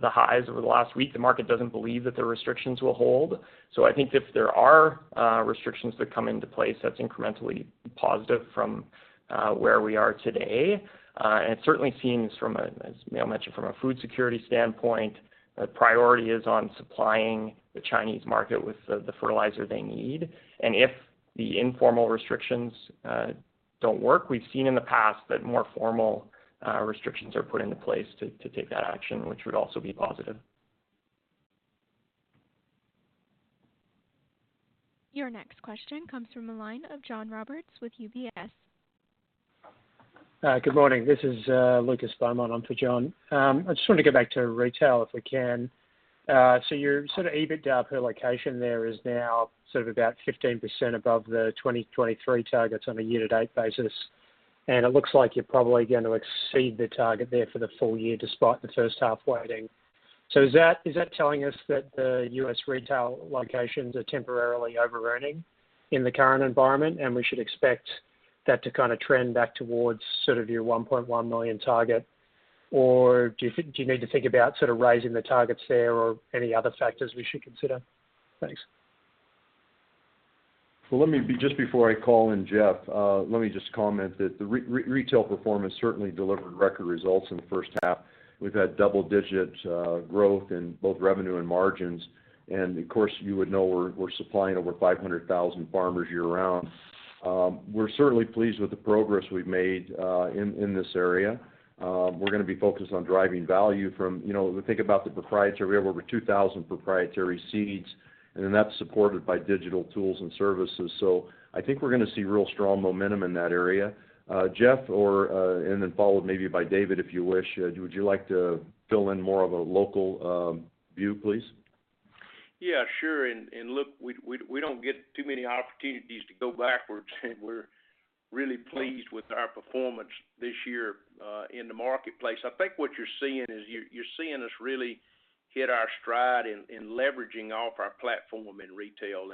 Speaker 12: the highs over the last week. The market doesn't believe that the restrictions will hold. I think if there are restrictions that come into place, that's incrementally positive from where we are today. It certainly seems from a, as Mayo mentioned, from a food security standpoint, the priority is on supplying the Chinese market with the fertilizer they need. If the informal restrictions don't work, we've seen in the past that more formal restrictions are put into place to take that action, which would also be positive.
Speaker 1: Your next question comes from the line of John Roberts with UBS.
Speaker 19: Good morning. This is Lucas Beaumont on for John. I just wanted to go back to retail, if we can. Your sort of EBITDA per location there is now sort of about 15% above the 2023 targets on a year-to-date basis. It looks like you're probably going to exceed the target there for the full year despite the first half weighting. Is that, is that telling us that the U.S. retail locations are temporarily overearning in the current environment, and we should expect that to kinda trend back towards sort of your 1.1 million target? Do you need to think about sort of raising the targets there or any other factors we should consider? Thanks.
Speaker 3: Well, Just before I call in Jeff, let me just comment that the retail performance certainly delivered record results in the first half. We've had double-digit growth in both revenue and margins. Of course, you would know we're supplying over 500,000 farmers year round. We're certainly pleased with the progress we've made in this area. We're gonna be focused on driving value from, you know, if you think about the proprietary, we have over 2,000 proprietary seeds, and then that's supported by digital tools and services. I think we're gonna see real strong momentum in that area. Jeff or, and then followed maybe by David, if you wish. Would you like to fill in more of a local view, please?
Speaker 7: Yeah, sure. Look, we don't get too many opportunities to go backwards, and we're really pleased with our performance this year in the marketplace. I think what you're seeing is you're seeing us really hit our stride in leveraging off our platform in retail.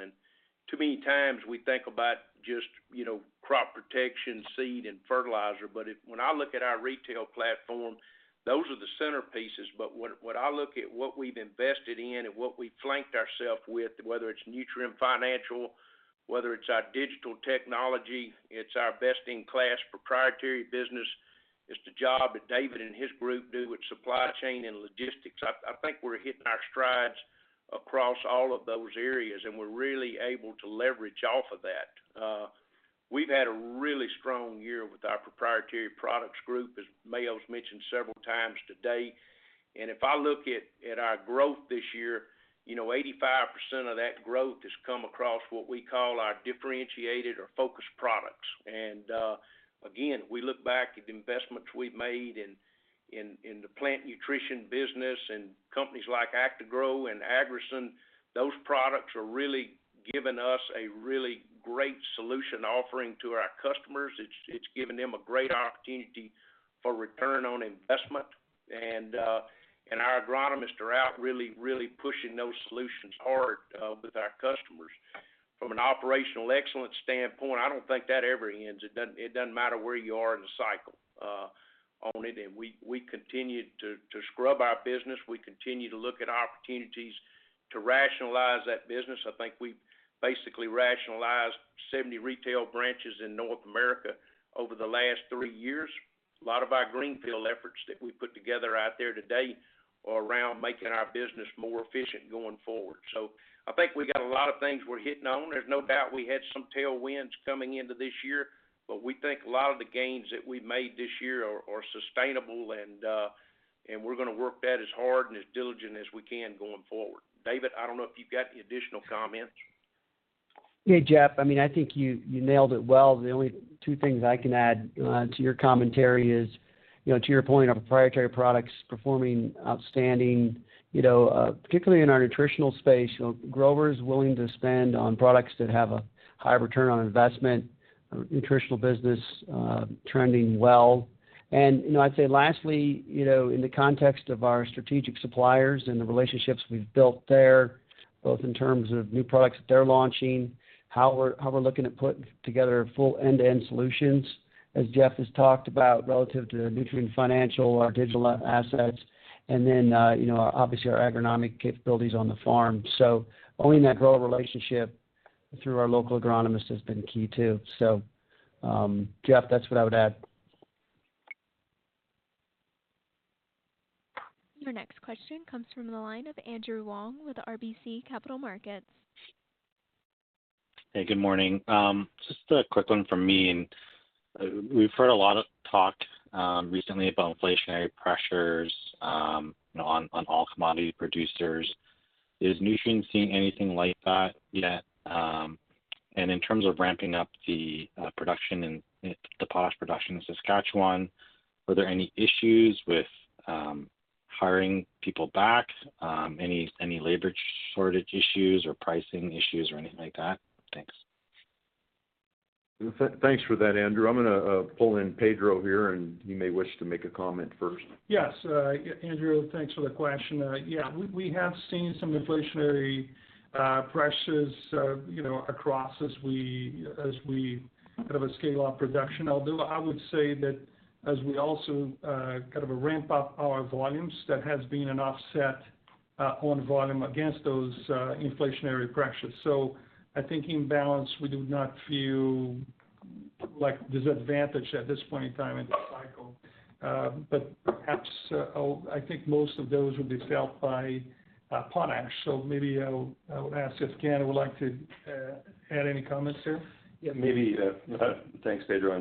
Speaker 7: Too many times we think about just, you know, crop protection, seed and fertilizer. When I look at our retail platform, those are the centerpieces. What I look at what we've invested in and what we flanked ourself with, whether it's Nutrien Financial, whether it's our digital technology, it's our best-in-class proprietary business. It's the job that David and his group do with supply chain and logistics. I think we're hitting our strides. Across all of those areas, we're really able to leverage off of that. We've had a really strong year with our proprietary products group, as Mayo's mentioned several times today. If I look at our growth this year, you know, 85% of that growth has come across what we call our differentiated or focused products. Again, we look back at the investments we've made in the plant nutrition business and companies like Actagro and Agricen, those products are really giving us a really great solution offering to our customers. It's giving them a great opportunity for return on investment. Our agronomists are out really pushing those solutions hard with our customers. From an operational excellence standpoint, I don't think that ever ends. It doesn't, it doesn't matter where you are in the cycle on it. We continue to scrub our business, we continue to look at opportunities to rationalize that business. I think we've basically rationalized 70 retail branches in North America over the last three years. A lot of our greenfield efforts that we put together out there to-date are around making our business more efficient going forward. I think we got a lot of things we're hitting on. There's no doubt we had some tailwinds coming into this year, but we think a lot of the gains that we've made this year are sustainable and we're gonna work that as hard and as diligent as we can going forward. David, I don't know if you've got any additional comments.
Speaker 8: Yeah, Jeff, I mean, I think you nailed it well. The only two things I can add to your commentary is, you know, to your point, our proprietary products performing outstanding, you know, particularly in our nutritional space, you know, growers willing to spend on products that have a high ROI. Nutritional business trending well. I'd say lastly, you know, in the context of our strategic suppliers and the relationships we've built there, both in terms of new products that they're launching, how we're looking at putting together full end-to-end solutions, as Jeff has talked about relative to the Nutrien Financial, our digital assets, and then, you know, obviously our agronomic capabilities on the farm. Owning that grower relationship through our local agronomists has been key too. Jeff, that's what I would add.
Speaker 1: Your next question comes from the line of Andrew Wong with RBC Capital Markets.
Speaker 20: Hey, good morning. just a quick one from me. We've heard a lot of talk recently about inflationary pressures, you know, on all commodity producers. Is Nutrien seeing anything like that yet? In terms of ramping up the production and the potash production in Saskatchewan, were there any issues with hiring people back, any labor shortage issues or pricing issues or anything like that? Thanks.
Speaker 3: Thanks for that, Andrew. I'm gonna pull in Pedro here, and you may wish to make a comment first.
Speaker 5: Yes, yeah, Andrew, thanks for the question. Yeah, we have seen some inflationary pressures, you know, across as we, as we kind of scale up production. Although I would say that as we also kind of ramp up our volumes, that has been an offset on volume against those inflationary pressures. I think in balance, we do not feel like disadvantaged at this point in time in the cycle. But perhaps, I think most of those would be felt by potash. Maybe I'll ask if Ken would like to add any comments there.
Speaker 10: Yeah, maybe.
Speaker 3: Yeah.
Speaker 10: Thanks, Pedro.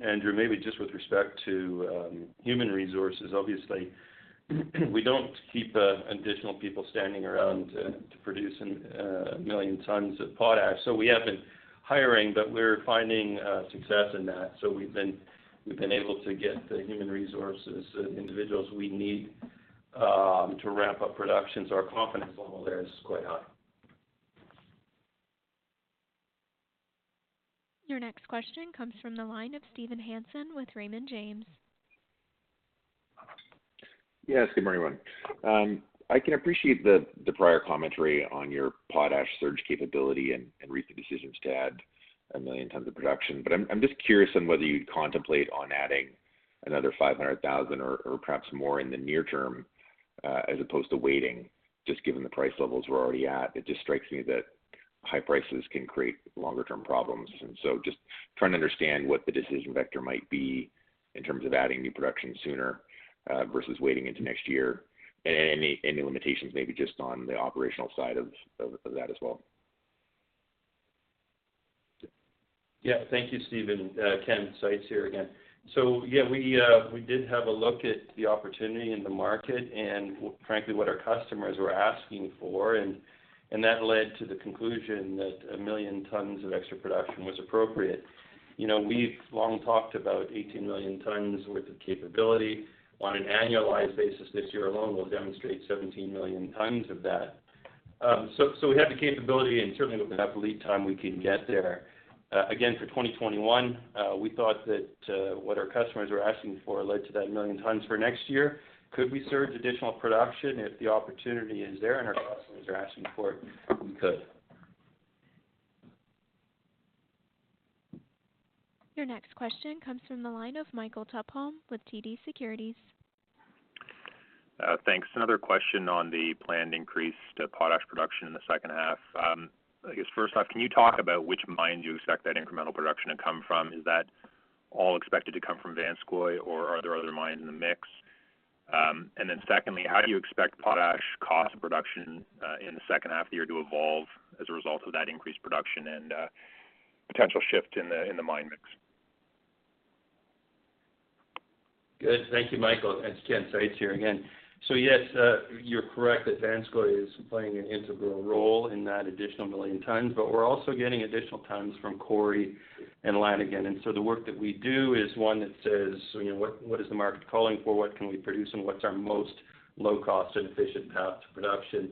Speaker 10: Andrew, maybe just with respect to human resources, obviously, we don't keep additional people standing around to produce an 1 million tons of potash. We have been hiring, but we're finding success in that. We've been able to get the human resources individuals we need to ramp up production. Our confidence level there is quite high.
Speaker 1: Your next question comes from the line of Steve Hansen with Raymond James.
Speaker 21: Yes. Good morning, everyone. I can appreciate the prior commentary on your potash surge capability and recent decisions to add 1 million tons of production. I'm just curious on whether you'd contemplate on adding another 500,000 or perhaps more in the near term, as opposed to waiting, just given the price levels we're already at. It just strikes me that high prices can create longer term problems. Just trying to understand what the decision vector might be in terms of adding new production sooner, versus waiting into next year. Any limitations maybe just on the operational side of that as well.
Speaker 10: Yeah. Thank you, Steve. Ken here again. Yeah, we did have a look at the opportunity in the market and frankly, what our customers were asking for, and that led to the conclusion that 1 million tons of extra production was appropriate. You know, we've long talked about 18 million tons worth of capability. On an annualized basis this year alone, we'll demonstrate 17 million tons of that. We have the capability and certainly with enough lead time we can get there. Again, for 2021, we thought that what our customers were asking for led to that 1 million tons for next year. Could we surge additional production if the opportunity is there and our customers are asking for it? We could.
Speaker 1: Your next question comes from the line of Michael Tupholme with TD Securities.
Speaker 22: Thanks. Another question on the planned increase to potash production in the second half. I guess first off, can you talk about which mine you expect that incremental production to come from? Is that all expected to come from Vanscoy or are there other mines in the mix? Secondly, how do you expect potash cost production in the second half of the year to evolve as a result of that increased production and potential shift in the mine mix?
Speaker 10: Good. Thank you, Michael. It's Ken here again. Yes, you're correct that Vanscoy is playing an integral role in that additional 1 million tons, but we're also getting additional tons from Cory and Lanigan. The work that we do is one that says, you know, what is the market calling for? What can we produce, and what's our most low cost and efficient path to production?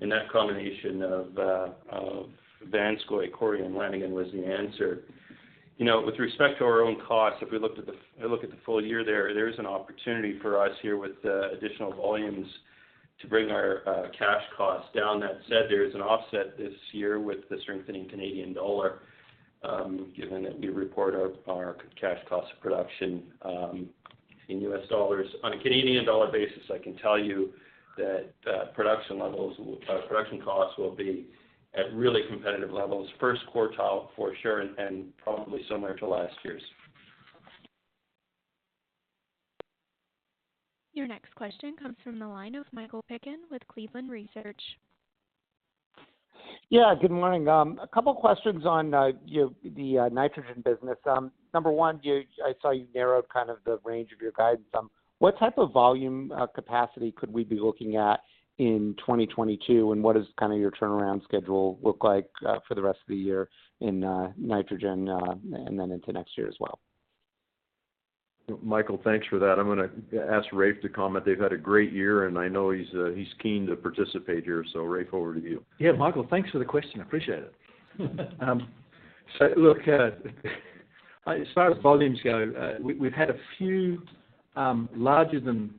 Speaker 10: That combination of Vanscoy, Cory, and Lanigan was the answer. You know, with respect to our own costs, if we looked at the full year there is an opportunity for us here with additional volumes to bring our cash costs down. That said, there is an offset this year with the strengthening Canadian dollar, given that we report our cash cost of production in U.S. dollars. On a Canadian dollar basis, I can tell you that production costs will be at really competitive levels. First quartile for sure, and probably similar to last year's.
Speaker 1: Your next question comes from the line of Michael Piken with Cleveland Research.
Speaker 23: Yeah. Good morning. A couple questions on, you know, the nitrogen business. Number one, I saw you narrowed kind of the range of your guidance. What type of volume capacity could we be looking at in 2022? What does kind of your turnaround schedule look like for the rest of the year in nitrogen, and then into next year as well?
Speaker 3: Michael, thanks for that. I'm gonna ask Raef to comment. They've had a great year, and I know he's keen to participate here. Raef, over to you.
Speaker 18: Michael, thanks for the question. Appreciate it. Look, as far as volumes go, we've had a few larger than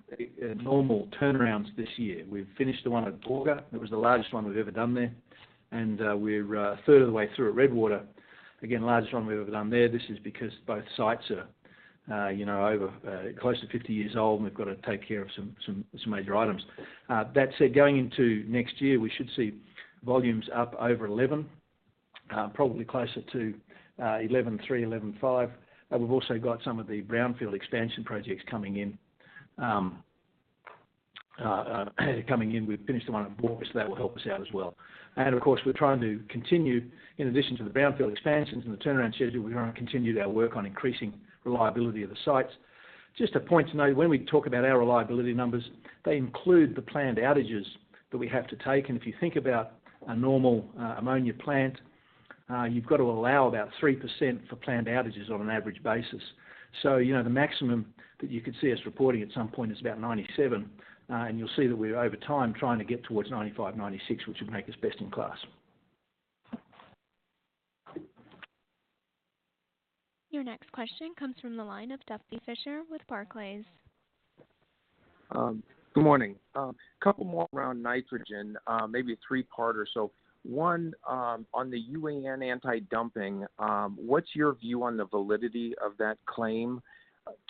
Speaker 18: normal turnarounds this year. We've finished the one at Joffre. That was the largest one we've ever done there. We're a third of the way through at Redwater. Again, largest one we've ever done there. This is because both sites are, you know, over, close to 50 years old, and we've got to take care of some major items. That said, going into next year, we should see volumes up over 11, probably closer to 11.3, 11.5. We've also got some of the brownfield expansion projects coming in. We've finished the one at Joffre, so that will help us out as well. Of course, we're trying to continue, in addition to the brownfield expansions and the turnaround schedule, we wanna continue our work on increasing reliability of the sites. Just a point to note, when we talk about our reliability numbers, they include the planned outages that we have to take. If you think about a normal ammonia plant, you've got to allow about 3% for planned outages on an average basis. You know, the maximum that you could see us reporting at some point is about 97. You'll see that we're over time trying to get towards 95, 96, which would make us best in class.
Speaker 1: Your next question comes from the line of Duffy Fischer with Barclays.
Speaker 24: Good morning. Couple more around nitrogen, maybe a three-parter. One, on the UAN anti-dumping, what's your view on the validity of that claim?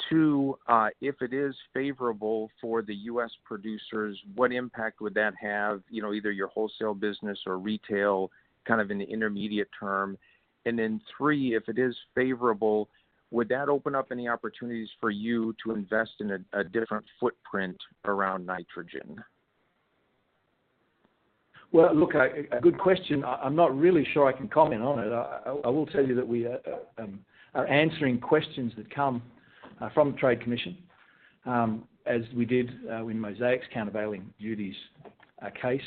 Speaker 24: Two, if it is favorable for the U.S. producers, what impact would that have, you know, either your wholesale business or retail, kind of in the intermediate term? Three, if it is favorable, would that open up any opportunities for you to invest in a different footprint around nitrogen?
Speaker 18: Well, look, a good question. I'm not really sure I can comment on it. I will tell you that we are answering questions that come from Trade Commission, as we did in Mosaic's countervailing duties case.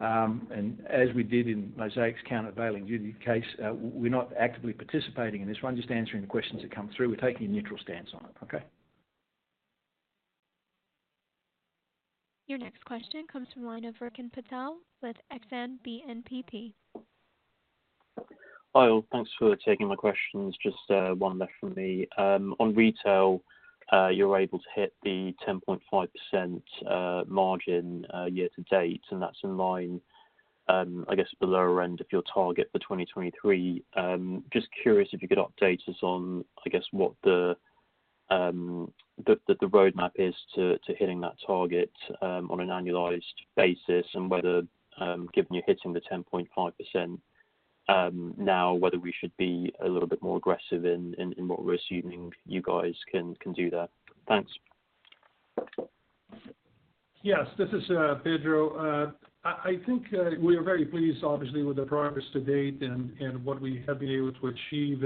Speaker 18: As we did in Mosaic's countervailing duty case, we're not actively participating in this. We're just answering the questions that come through. We're taking a neutral stance on it. Okay?
Speaker 1: Your next question comes from the line of Rohan Patel with Exane BNP.
Speaker 25: Hi all. Thanks for taking my questions. Just 1 left for me. On Retail, you're able to hit the 10.5% margin year-to-date, and that's in line, I guess below our end of your target for 2023. Just curious if you could update us on, I guess what the roadmap is to hitting that target on an annualized basis and whether, given you're hitting the 10.5% now whether we should be a little bit more aggressive in what we're assuming you guys can do that. Thanks.
Speaker 5: Yes, this is Pedro. I think we are very pleased obviously with the progress to-date and what we have been able to achieve.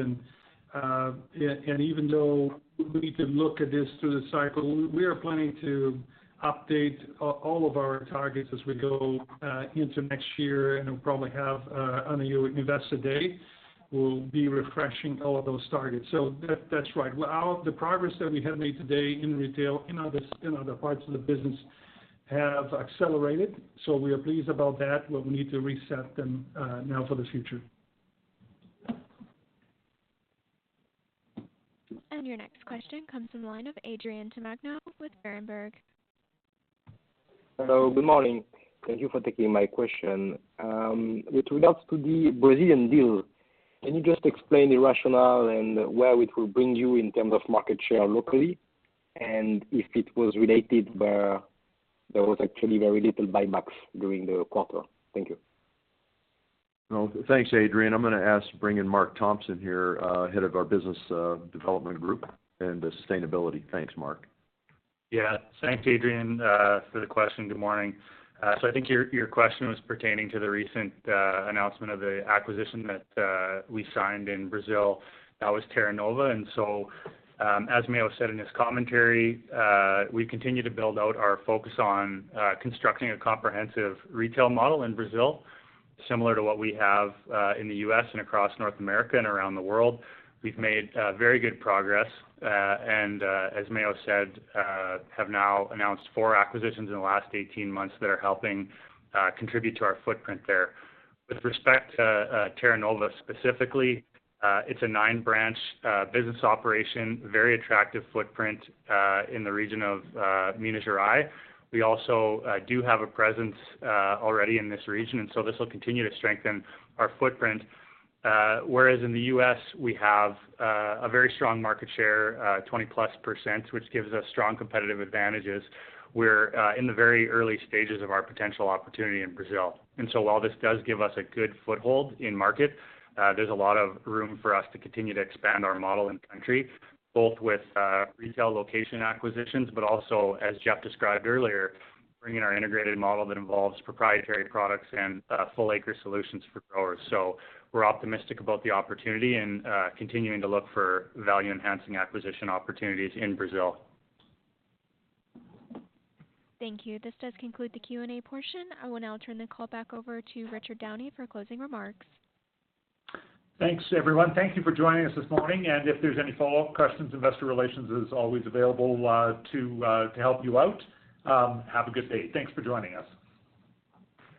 Speaker 5: Even though we need to look at this through the cycle, we are planning to update all of our targets as we go into next year and probably have on your Investor Day, we'll be refreshing all of those targets. That's right. Without the progress that we have made today in retail, in other parts of the business have accelerated. We are pleased about that, but we need to reset them now for the future.
Speaker 1: Your next question comes from the line of Adrien Tamagno with Berenberg.
Speaker 26: Hello, good morning. Thank you for taking my question. With regards to the Brazilian deal, can you just explain the rationale and where it will bring you in terms of market share locally, and if it was related where there was actually very little buybacks during the quarter? Thank you.
Speaker 3: Well, thanks, Adrien. I'm going to ask to bring in Mark Thompson here, head of our business, development group and the sustainability. Thanks, Mark.
Speaker 27: Thanks, Adrien, for the question. Good morning. I think your question was pertaining to the recent announcement of the acquisition that we signed in Brazil. That was Terra Nova. As Mayo said in his commentary, we continue to build out our focus on constructing a comprehensive retail model in Brazil, similar to what we have in the U.S. and across North America and around the world. We've made very good progress, and as Mayo said, have now announced 4 acquisitions in the last 18 months that are helping contribute to our footprint there. With respect to Terra Nova specifically, it's a 9-branch business operation, very attractive footprint in the region of Minas Gerais. We also do have a presence already in this region, this will continue to strengthen our footprint. Whereas in the U.S., we have a very strong market share, 20+%, which gives us strong competitive advantages. We're in the very early stages of our potential opportunity in Brazil. While this does give us a good foothold in market, there's a lot of room for us to continue to expand our model in the country, both with retail location acquisitions, but also, as Jeff described earlier, bringing our integrated model that involves proprietary products and full acre solutions for growers. We're optimistic about the opportunity and continuing to look for value-enhancing acquisition opportunities in Brazil.
Speaker 1: Thank you. This does conclude the Q&A portion. I will now turn the call back over to Richard Downey for closing remarks.
Speaker 2: Thanks, everyone. Thank you for joining us this morning. If there's any follow-up questions, investor relations is always available to help you out. Have a good day. Thanks for joining us.